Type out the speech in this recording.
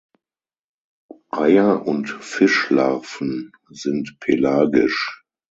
Eier und Fischlarven sind pelagisch.